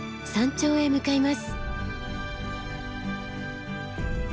山頂へ向かいます。